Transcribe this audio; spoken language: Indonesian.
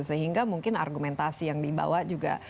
sehingga mungkin argumentasi yang dibawa juga